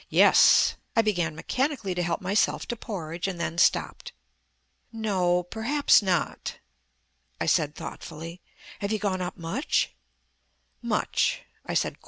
"Yes." I began mechanically to help myself to porridge, and then stopped. "No, perhaps not," I said thoughtfully. "Have you gone up much?" "Much," I said.